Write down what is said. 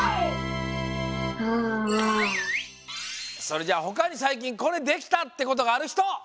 それじゃあほかに最近コレできたってことがあるひと？